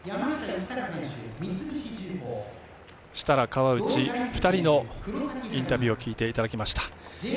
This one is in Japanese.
設楽、川内２人のインタビューを聞いていただきました。